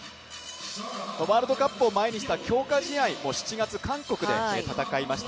ワールドカップを前にした強化試合も７月、韓国で戦いました。